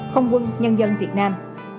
không quân nhân dân việt nam